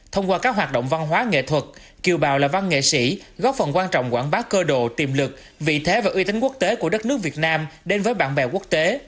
thông qua các hoạt động văn hóa nghệ thuật kiều bào là văn nghệ sĩ góp phần quan trọng quảng bá cơ độ tiềm lực vị thế và uy tín quốc tế của đất nước việt nam đến với bạn bè quốc tế